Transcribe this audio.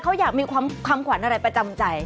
เขาอยากมีความขวัญอะไรประจำใจ